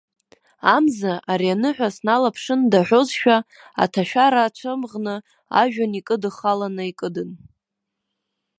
Амза, ари аныҳәа сналаԥшында аҳәозшәа, аҭашәара ацәымӷны, ажәҩан икыдхаланы икыдын.